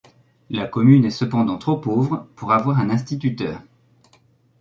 La commune est cependant trop pauvre pour avoir un instituteur.